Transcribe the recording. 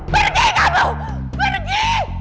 pergi kamu pergi